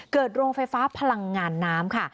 โรงไฟฟ้าพลังงานน้ำค่ะ